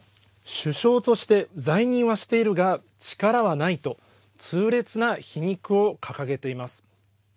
首相として在任はしているが力はないと痛烈な皮肉を掲げています。